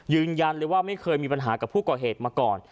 ยืนยันเลยว่าไม่เคยมีปัญหากับผู้ก่อเหตุมาก่อน